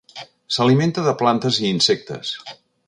S'alimenta de plantes i insectes.